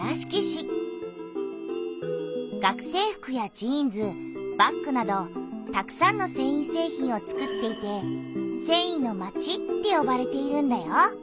学生服やジーンズバッグなどたくさんのせんい製品をつくっていて「せんいのまち」ってよばれているんだよ。